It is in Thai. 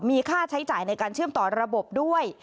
มีค่าใช้จ่ายในการเชื่อมต่อระบบด้วย